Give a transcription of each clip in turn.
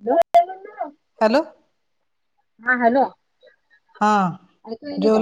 [unintelligible] Hello हा hello हा ऐकू यायलय काय?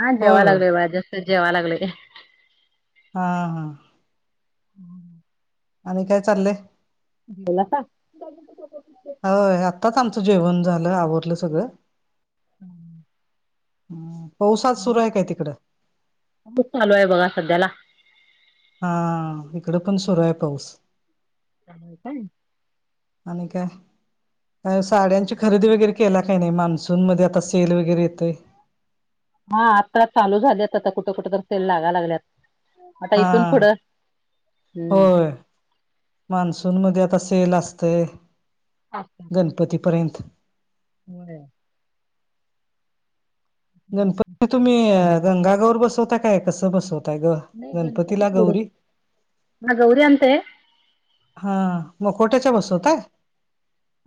हा होय जेवायं होय लागलोय बगा जस्ट जेवाय लागलोय. हा हा आणि काय चाललंय. गेला सा. होय आत्ताच आमचं जेवण झालं आवरलं सगळं [unintelligible] हम्म पाऊस आज सुरू आहे काय तिकडं चालू आहे बघा सध्याला हा इकड पण सुरू आहे पाऊस. आहे काय. आणि काय काय साड्यांची खरेदी वगैरे केला काय नाही मान्सून मध्ये आता सेल वगैरे येतय. हा आत्ता चालू झाल्यात आता कुठं कुठं तर सेल लागा लागल्यात. आता हा इथून पुढं हम्म होय मान्सून मध्ये आता सेल असतय. [unintelligible] पती पर्यंत. होय गणपती तुम्ही सणाला गंगा गवर बसवता काय कसं बसवत ताय ग नाही गणपती ला गौरी तेवढंच हा गौरी आणते हा मकोट्याच्या बसवताय.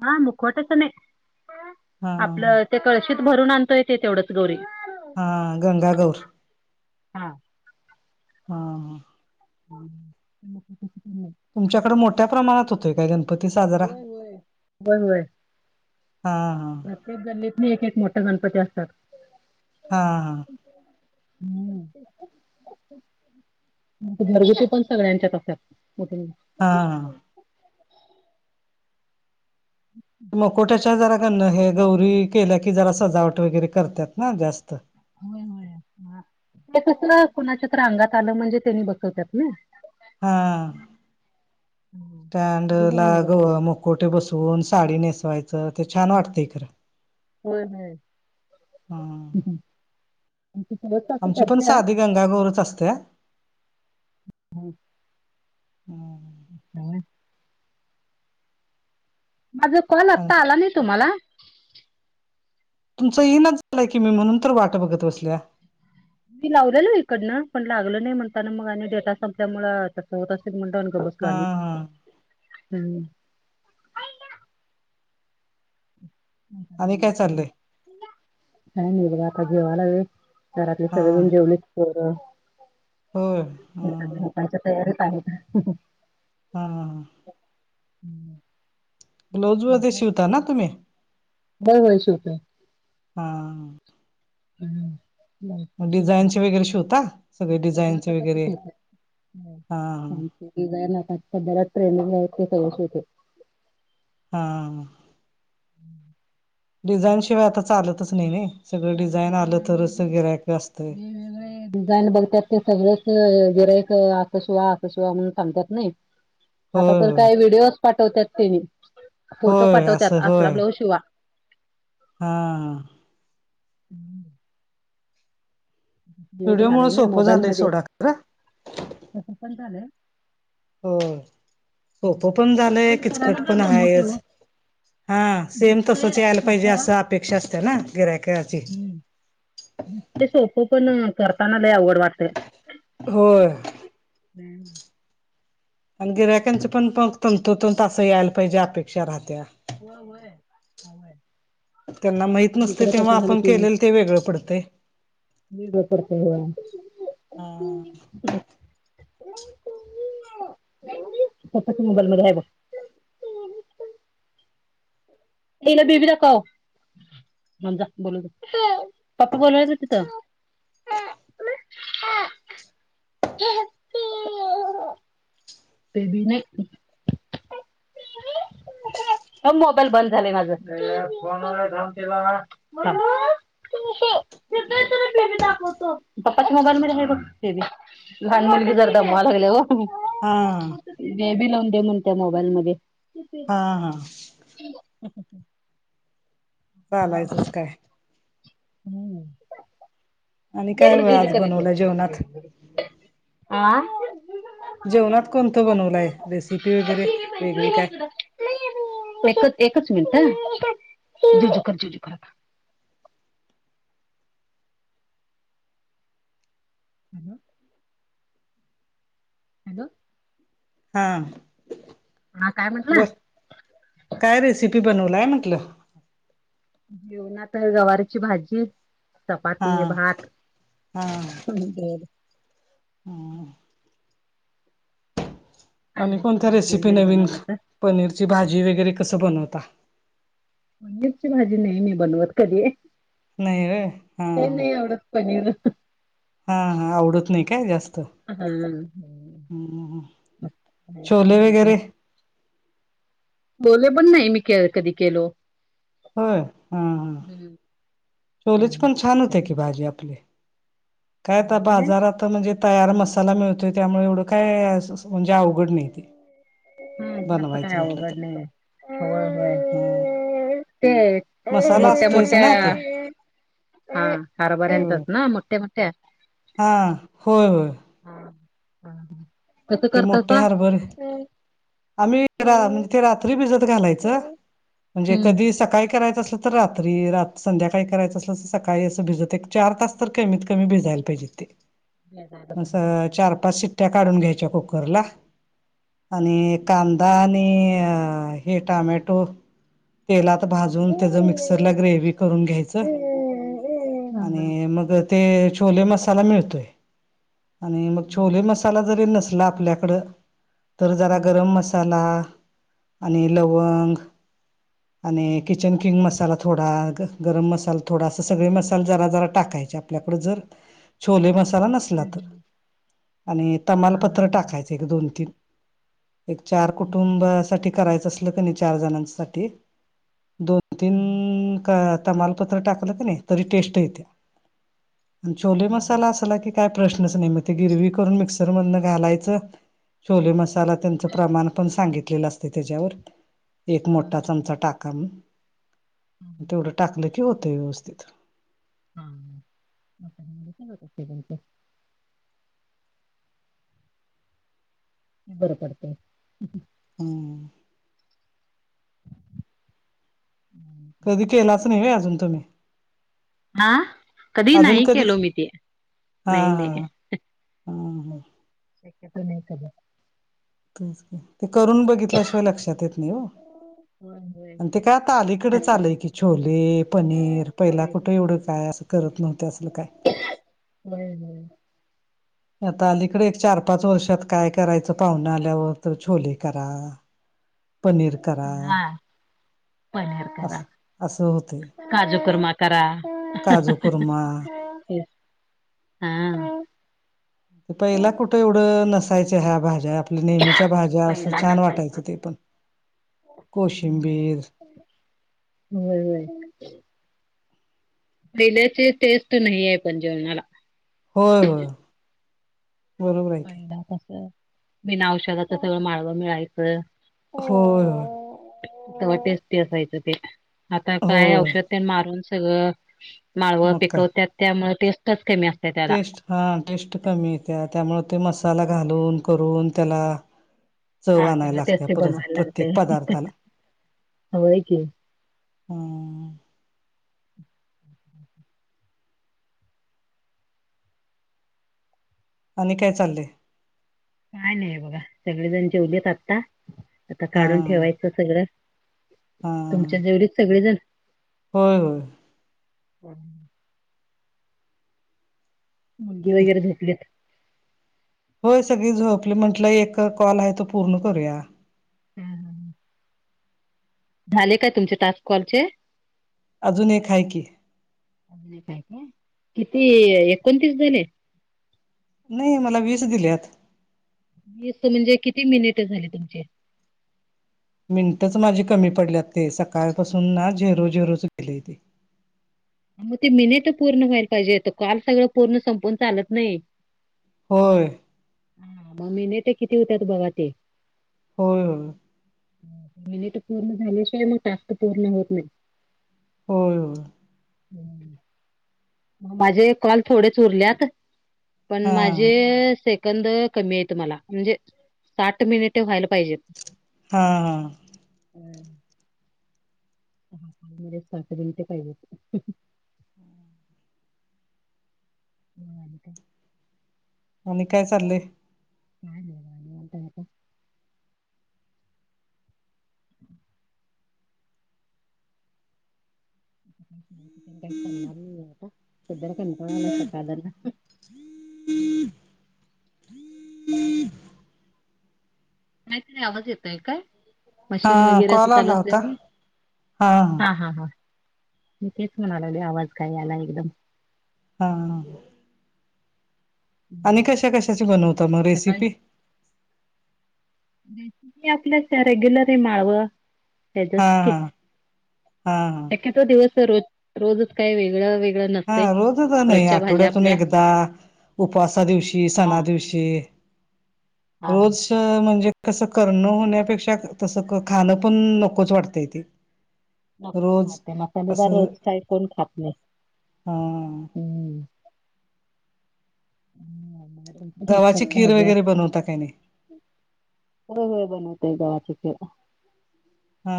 हा मुखवट्याचं नाही हा हा आपलं ते कळशीत भरून आणतोयं ते तेवढंच गौरी हा गंगा गौर. हां हा हा. [unintelligible] तुमच्याकड मोठ्या प्रमाणात होतोय काय गणपती साजरा. होय होय होय होय हा हा प्रत्येक गल्लीत नी एक एक मोठा गणपती असतात. हा हां हम्म घरगुती पण सगळ्यांच्यात असतात मोठे हा हा अच् मकोट्याच्या जरा गण हे गौरी केल्या की जरा सजावट वगैरे करतात ना जास्त हो हो ते कस कोणाच्या तर अंगात आलं म्हणजे त्यांनी बसवतात ना. हा हम्म. स्टॅड सगळीजण नाही लागू बसवत मुक कोोठे बसवून साडी नेसवायचं ते छान वाटतं इ खरां. हा [unintelligible] [inaudible] आमची पण साधी गंगागोरच असते. ह हम. हा्. माझा कॉल हा आत्ता आला नाही तुम्हाला तुमचं इनच झालंय की मी म्हणून तर वाट बघत बसल्या. मी लावलेलो इकडनं पण लागल नाही म्हणताना मग आणि डेटा संपल्यामु तसं होत असेल म्हण. बसला हा हा हम्म. आणि काय चाललंय नि बता जेवालाे घरातले हा सगळेजण जेवलेतोर हो ह. च्या तयारीत आहे का? हा ह ह. हम्म. ब्लाऊज वध्ये शिवता ना तुम्ही? होर होय शेवटो हा. हम्. मग डिझाईनचे वगैरे शिवता सगळे सगळ्या डिझाईनचे प्रकारचे वगैरे हा. ना बलात्रेन व्यस्थ कोश होते. हम्म. डिझाईन शिवाय आता चालतच नाही नाही. सगळं चालतच डिझाईन आलं नाही तरच गिरायक असतंय वेगवेगळे डिझाईन बघ. त्यात ते सगळच गिरायक असं शिवा असं शिवा म्हणून सांतात नाही. आता होय तर होय काय व्हिडिओज पाठवतात त्यांनी फोटो होय असं पाठवतात असला होय ब्लाऊज शिवा हा. ह. एक व्हिडिओ मुळ झालंय नाही सोपं मोबाईल झालंय मध्ये सोडा खरं तसं पण झालंय. हो सोपं पण झालंय करायला किचकट जर पण जमतंय ओ आहेच. हा सेम तसच यायला पाहिजे असं अपेक्षा असते ना गिरायकची. सोफो पण करताना ल आवड वाटते. हो. हम्. आणि गिरायकांच पण पग तंतोतंत असं यायला पाहिजे अपेक्षा राहत्या. हो वय हय. त्यांना माहत नसते तेव्हा आपण केलेलं ते वेगळं पडते. नर् बपडते ह. हम. स्तः क मोबाईल मध्ये आहे बघ. ए ना बीबी रा काव म्हज बोलू त पापा बोल तुझ तर ह. तेब नाही. हो मोबाईल बंद झालाय माझोनला ी दाखवतो पप्पाच मोबाईल म आहे बघे बी लहान मुलगी जर दमवा लागल्या ग. हा. म बी लावून दे म्हण त्या मोबाईल मध्ये हा हा चालायचंच काय हम्म आणि काय आज बनवलं जेवणात [inaudible] आ जेवणात कोणतं बनवलाय रेसिपी वगैरे वेगळी काय. एकच एकच मिनिट हा [inaudible] [unintelligible] ह हॅलो हा हा काय म्हटलं. बर काय रेसिपी बनवलाय म्हटलं. घेऊ ना तर गवाराची भाजी हा चपाती भात हम अंद आणि त कोणत्या भुर्जी रेसिपी वगैरे नवीन बनवलं [inaudible] पनीरची भाजी वगैरे कसं बनवता. पनीरची भाजी नाही मी बनवत कधी नाही होय हा का नाही आवडत. पनीर हा हा आवडत नाही काय जास्त. हम्म हम्म. छोले वगैरे ह छोले पण नाही मी कधी केलो. होय हम हम. हम् छोलेची पण छान होते की भाजी आपली काय आता बाजारात आ म्हणजे तयार मसाला मिळतोय त्यामुळे एवढं काय म्हणजे अवघड नाही ते. हम्म त्याच काय बनवायचं म्हटलं तर अवघड नाही होय ह होय. ते मसाला मोठ्या असतोयच ना ते मोठ्या हा होय हरभर्यंतच ना मोठ्या मोठ्या. हा होय होय हा हा ते मोठे हारभरे आम्ही रा म्हणजे ते रा रात्री भिजत घालायचं म्हणजे कधी सकाळी करायचं असलं तर रात्री संध्याकाळी करायचं असल तर सकाळी असं भिजत एक चार तास तर कमीत कमी भिजायला पाहिजे ते. म शिट्या काढून घ्यायच्या कुकरला आणि कांदा आणि हे टमॅटो तेलात भाजून त्याच मिक्सरला ग्रेव करून घ्यायचं. हा हा. आणि मग ते छोले मसाला मिळतोय आणि मग छोले मसाला जरी नस आपल्या कड तर जरा गरम मसाला आणि लवंग आणि किचन किंग मसाला थोडा गरम मसाला थोडा अस सगळे मसाले जरा जरा टाकायचे आपल्याकड जर छोले मसाला ना तमालपत्र टाकायच दोन तीन. एक चार कुटुंबासाठी करायचं असल क नाही चार जणांसाठी दोन दोन तीन तमालपत्र टाकलंत की नाही तरी टेस्ट येते. आणि छोले मसाला असाला की काय प्रश्नच नाही मग ते गिरवी करून मिक्सर मधनं घालायच छोले मसाला त्यांच प्रमाण पण सांगितलेलं असते त्याच्यावर. एक मोठा चमचा टाका म तेवढं टाकलं की होतंय व्यवस्थित. [unintelligible] [inaudible] बर पडते. हम्म कधी केलाच नाही अजून तुम्ही. हा अजून नाही कधी केलो मी ते हा नाही हा. नाही. हम् हम. शक्यतो नाही कधी. तुमचं करून बघ ल्याशिवा लक्ष येत नाही ओ होय अन ते काय आता अलीकडेच आले की. छोले पनीर पहिला होय होय कुठं एवढं काय असं करत नव्हत असल काय. होय होय. आता अलीकडे एक चार पाच वर्षात काय करायचं पाहुना आल्यावर तर छोले करा. पनीर करा हा पनीर करा, अस असं होते. काजू कुर्मा करा. काजू कुर्मा हा पहिला कुठं एवढं नसायचं ह्या भाज्यायात. नेहमीच्या भाज्या असं पहिला छान नसायचा. वाटायचं ते पण कोशंबीर. होय होय. पहिल्याची टेस्ट नाही आहे पण जेवणाला. होय होय. बरोबर आहे की पहिला कस बिना औषधाच सगळं माळवं मिळायचं. होय होय. ते टेस्टी असायचं ते आता काय होय औषध ते मारून सगळं माळव मग काय पिकवत्यात त्यामुळे टेस्टच कमी अस टेस्ट हा टेस्ट कमी इत्या त्यामुळे ते मसाला हा घालून करून त्याला. चव आणाय त्याला लागत्या टेस्टी परत बनवायला प्रत्येक लागतंय. पदार्थाला. होय की हम! आणि काय चाललंय? काय नाही बघा सगळेजण जेवलेत आत्ता. आता हा काढून ठेवायचं सगळं. हा तुमच्यात जेवलीत सगळेजण. होय होय मुलगी वगैरे झोपलीत. होय सगळी झोपली म्हंटलं एक कॉल आहे तो पूर्ण करूया. हा हा. झाले काय तुमचे टास्क कॉल चे? अजून एक हाय की. एक आहे का किती एकोणतीस झाले? नाही मला वीस दिलेत. म म्हणजे किती मिनिट झाली तुमचे. मिनटच माझे कमी पडलेत ते सकाळपासून ना झेरू झेरूच गेले ते. मग ते मिनिट पूर्ण व्हायला पाहिजेेत काल सगळं पूर्ण संपवून चालत नाही. होय. हा मग मिनिट किती होतात बावा ते. होय होय. मिनिट पूर्ण झाल्याशिवाय मग तास तर पूर्ण होत नाही. होय होय. हम्म. माझे कॉल थोडेच उरलेत पण हा माझेे से कध कमी येत मला म्हणजे साठ मिनिटे व्हायला पाहिजेत. हा हा. हम्म. म्हजे साठ मिनट पाहिज. म आणि काय? आणि काय चाललेय. कात का [inaudible] काही करणार नाही आहे सध्याला कंट्रय सकाळधरण हः. हमम हम [inaudible] काहीतरी आवाज येतय काय. हा मशीन वगैरे असं कॉल चालू आला होता अस हा हा हा. मी तेच म्हणालगले आवाज काय याला एकदम. हा हा. आणि कशा कशाची बनवता मग सकाळी रेसिपी. ते आपल्या रेग्युलर आहे माळवं. त्याचंच हा की हा हा हा दिवस रज रोजच काय वेगळ वेग हा रोजच नाही आठवड्यातून एकदा उपवासा दिवशी हा सणा दिवशी. ते हा रोज. त म्हणजे कसं करणं होण्यापेक्षा तसं खाणं पण नकोच वाटतंय ते. [inaudible] नको रोज खाते मसालेदार असं रोज काही कोण खात नाही. हा हा. हम्म. रोजच्याच जव्हाची खीर भाज्या वगैरे बनवता काय नाही. होय होय बनवतोय गव्हाची खीर. हा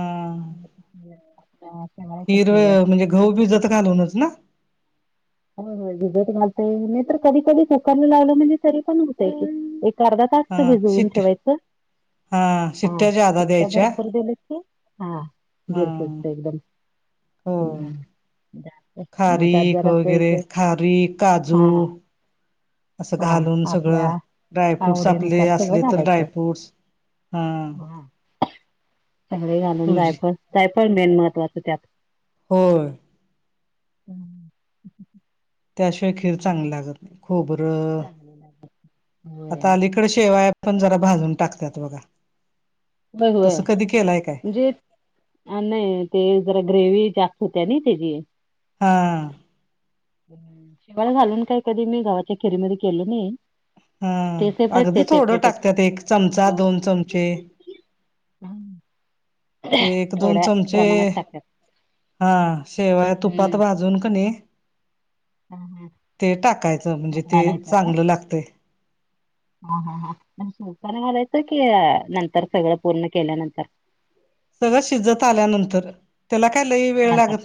आपल्या शेवयाची खीर. म्हणजे गहू भिजत घालूनच. ना. होय होय भिजत घालतोय नाही तर कधी कधी कुकरला लावलं म्हणजे तरी पण हुतय की एक. अर्धा तासच हा भिजवून शिट्ट्या ठेवायचं हा शिट्ट्या भरपूर दिले की. हा हा गिर शिजतंय एकदम. हो हम्म म त्यात खारीक जरा. वगैरे खारीक काजू. असं हा घालून सगळं आपल्या ड्रायफ्रूटस आपले आवडीनुसार सगळं असले तर घालायचं ड्रायफ्रुटस. हां. हा सगळे घालून जायफळ जायफळ मेन महत्वाचं त्यात. होय. त्याशिवाय खीर चांगली लागत नाही खोबर होय आता अली इकडे शेवाळ्या पण जरा भाजून टाकतात बघा. होय होय तसं कधी केलाय काय म्हणजे. हा नाही ते जरा ग्रेवी जास्त होत नई त्याची. हा आ. शिवाळा घालून काय कधी मी गावाच्या खेरीमध्ये केल नाही. हा ते सेपरेट अगदी ते थोडं सेपरेटच. टाकतात एक चमचा दोन चमचे. हम्. ते एक दोन चमचे प्रमाणात टाकतात. हा शेवया तुपात हम्म. भाजून कनय. हा हा तेल टाकायचं म्हणजे त्यात ते चांगलं लागतंय. ह हा ह शवकाने घालायचं की नंतर सगळं पूर्ण केल्यानंतर. सगळं शिजत आल्यानंतर त्याला काय लय वेळ लागत नंतर नाही.